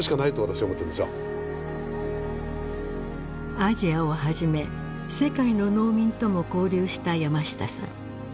アジアをはじめ世界の農民とも交流した山下さん。